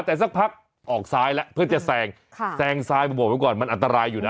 แต่สักพักออกซ้ายแล้วเพื่อจะแซงแซงซ้ายผมบอกไว้ก่อนมันอันตรายอยู่นะ